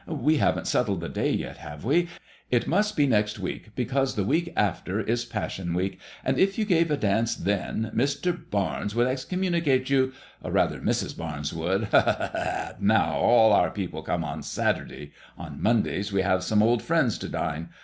We haven't settled the day yet, have we? It must be next week, because the week after is Passion week, and if you gave a dance then, Mr. Barnes would excommunicate you, or, rather, Mrs. Barnes would. Hal ha I ha I Now, all our people come on Saturday. On Monday we have some old friends to dine.